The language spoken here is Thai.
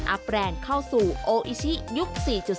อัพแรงเข้าสู่โออีชิยุค๔๐